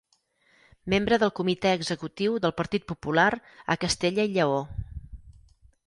Membre del Comitè Executiu del Partit Popular a Castella i Lleó.